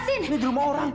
ini di rumah orang